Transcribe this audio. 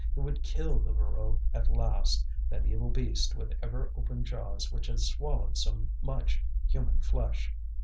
He would kill the Voreux at last, that evil beast with ever open jaws which had swallowed so much human flesh!